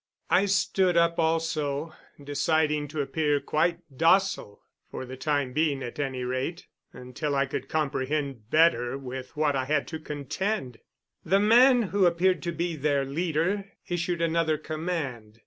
I stood up also, deciding to appear quite docile, for the time being at any rate, until I could comprehend better with what I had to contend. The man who appeared to be their leader issued another command.